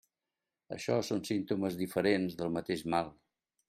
Això són símptomes diferents del mateix mal.